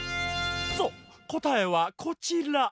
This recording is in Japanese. そうこたえはこちら。